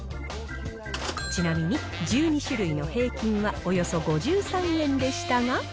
ちなみに１２種類の平均はおよそ５３円でしたが。